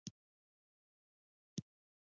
• په چاپېریال باندې د صنعتي انقلاب اغېزه.